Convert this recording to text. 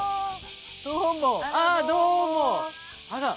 どうもあどうも。